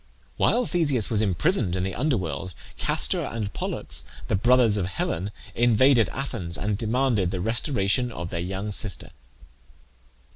While Theseus was imprisoned in the under world Castor and Pollux, the brothers of Helen, invaded Athens, and demanded the restoration of their young sister.